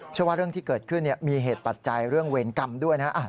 ว่าเรื่องที่เกิดขึ้นมีเหตุปัจจัยเรื่องเวรกรรมด้วยนะ